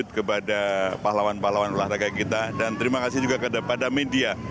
terima kasih kepada pahlawan pahlawan olahraga kita dan terima kasih juga kepada media